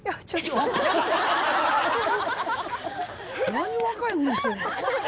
何若いふりしてんの！